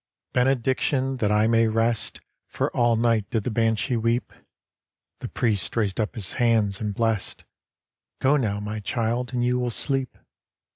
" Benediction, that I may rest. For all night did the banshee weep," The priest raised up his hands and blest —" Go now, my child, and you will sleep."